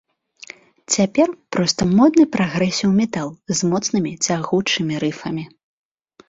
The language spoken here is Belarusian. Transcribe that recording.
Цяпер проста модны прагрэсіў-метал, з моцнымі цягучымі рыфамі.